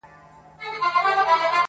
په عزت یې وو دربار ته وربللی.!